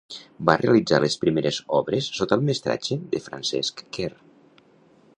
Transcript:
Va realitzar les primeres obres sota el mestratge de Francesc Quer.